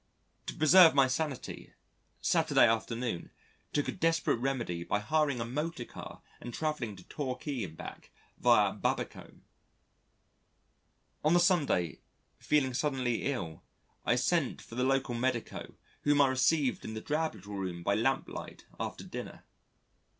To preserve my sanity, Saturday afternoon, took a desperate remedy by hiring a motor car and travelling to Torquay and back via Babbacombe.... On the Sunday, feeling suddenly ill, I sent for the local medico whom I received in the drab little room by lamplight after dinner.